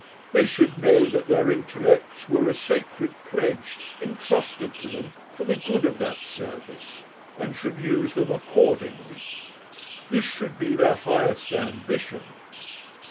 They should know that their intellects were a sacred pledge intrusted to them for the good of that service, and should use them accordingly. This should be their highest ambition.